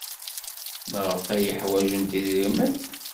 Maɣef ay hwajent idrimen?